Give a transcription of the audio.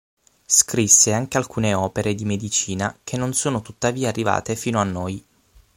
Scrisse anche alcune opere di medicina che non sono tuttavia arrivate fino a noi.